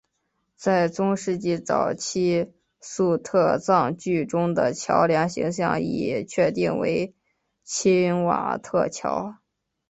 在中世纪早期粟特葬具中的桥梁形象已确定为钦瓦特桥。